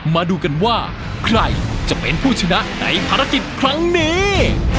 มาดูกันว่าใครจะเป็นผู้ชนะในภารกิจครั้งนี้